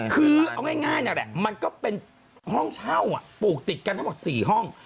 คือเอาง่ายนั่นแหละมันก็เป็นห้องเช่าปลูกติดกันทั้งหมด๔ห้อง